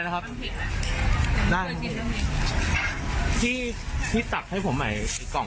ใครต้องไม้โชว์